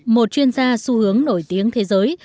một chuyên gia xu hướng nổi tiếng thế giới